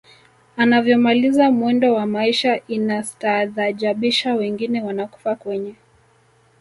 anavyomaliza mwendo wa maisha inastaadhajabisha wengine wanakufa kwenye